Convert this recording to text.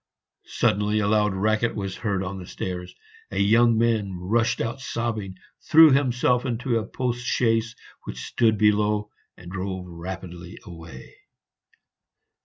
Suddenly a loud racket was heard on the stairs; a young man rushed out sobbing, threw himself into a post chaise which stood below, and drove rapidly away.